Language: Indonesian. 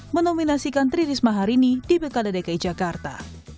menominasikan tri risma hari ini di pilkada dki jakarta